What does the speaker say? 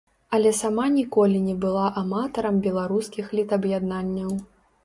Але сама ніколі не была аматарам беларускіх літаб'яднанняў.